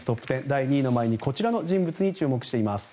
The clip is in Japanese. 第２位の前にこちらの人物に注目しています。